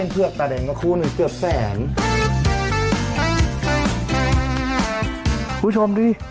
หุ้ยชอบดูดิ